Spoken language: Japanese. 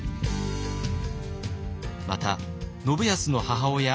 また信康の母親